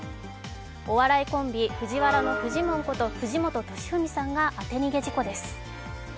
お笑いコンビ、ＦＵＪＩＷＡＲＡのフジモンこと藤本敏史さんが当て逃げです。